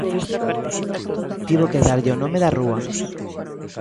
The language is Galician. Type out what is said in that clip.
Tivo que darlle o nome da rúa.